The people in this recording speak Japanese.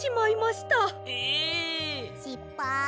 しっぱい。